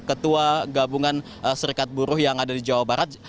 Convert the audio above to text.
ketua gabungan serikat buruh yang ada di jawa barat